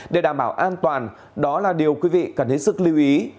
để đảm bảo an toàn đó là điều quý vị cần hết sức lưu ý